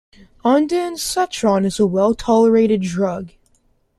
Ondansetron is a well-tolerated drug.